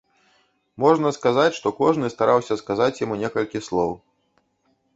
Можна сказаць, што кожны стараўся сказаць яму некалькі слоў.